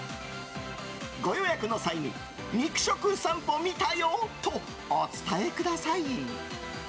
ご予約の際に肉食さんぽ見たよとお伝えください。